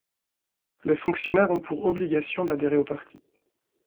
Les fonctionnaires ont pour obligation d’adhérer au parti.